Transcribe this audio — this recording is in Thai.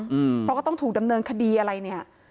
เพราะก็ต้องถูกดำเนินคดีอะไรเนี่ย